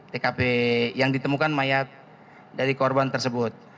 tkp yang ditemukan mayat dari korban tersebut